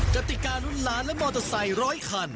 กติการุ้นล้านและมอเตอร์ไซค์ร้อยคัน